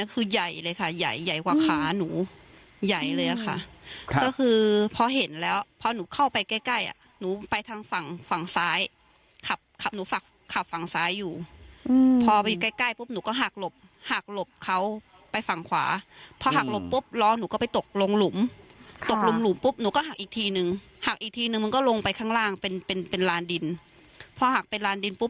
ใกล้ใกล้อ่ะหนูไปทางฝั่งฝั่งซ้ายขับขับหนูฝั่งขับฝั่งซ้ายอยู่อืมพอไปใกล้ใกล้ปุ๊บหนูก็หักหลบหักหลบเขาไปฝั่งขวาอืมพอหักหลบปุ๊บล้อหนูก็ไปตกลงหลุมค่ะตกลงหลุมปุ๊บหนูก็หักอีกทีหนึ่งหักอีกทีหนึ่งมันก็ลงไปข้างล่างเป็นเป็นเป็นลานดินพอหักเป็นลานดินป